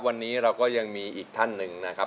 วันนี้เราก็ยังมีอีกท่านหนึ่งนะครับ